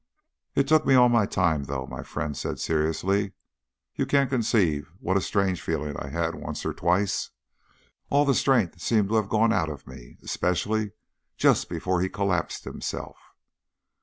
"It took me all my time, though," my friend said seriously. "You can't conceive what a strange feeling I had once or twice. All the strength seemed to have gone out of me especially just before he collapsed himself."